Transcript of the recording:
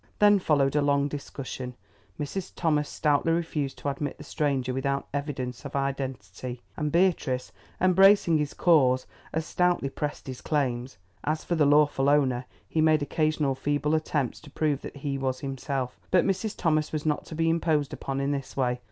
Then followed a long discussion. Mrs. Thomas stoutly refused to admit the stranger without evidence of identity, and Beatrice, embracing his cause, as stoutly pressed his claims. As for the lawful owner, he made occasional feeble attempts to prove that he was himself, but Mrs. Thomas was not to be imposed upon in this way.